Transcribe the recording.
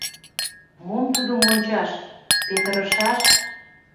Мом тудым ончаш, петырышаш!